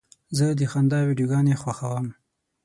زه د خندا ویډیوګانې خوښوم.